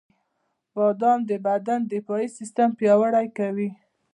• بادام د بدن د دفاعي سیستم پیاوړی کوي.